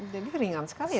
jadi ringan sekali ya